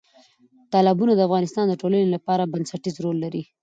تالابونه د افغانستان د ټولنې لپاره بنسټيز رول لري.